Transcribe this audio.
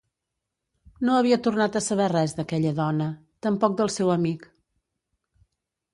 No havia tornat a saber res d'aquella dona, tampoc del seu amic.